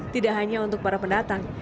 tidak hanya untuk para pendatang